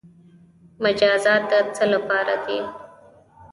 مجازات د څه لپاره دي؟